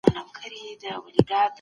خپل ذهن د منفي فکرونو څخه پاک وساتئ.